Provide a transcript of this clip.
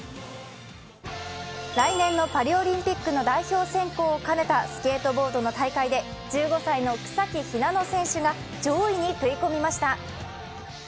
来年のパリオリンピックの代表選考を兼ねたスケートボードの大会で１５歳の草木ひなの選手が上位に食い込みました。